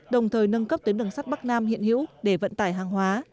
đồng thời nâng cấp tuyến đường sắt bắc nam hiện hữu để vận tải hàng hóa